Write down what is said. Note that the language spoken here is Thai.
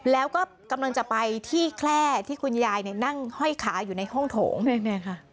แล้วก็กำลังจะไปที่แคล่ที่คุณยายเนี่ยนั่งห้อยขาอยู่ในห้องโถง